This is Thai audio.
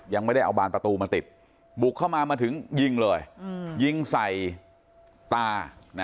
ยังไม่ได้เอาบานประตูมาติดบุกเข้ามามาถึงยิงเลยยิงใส่ตา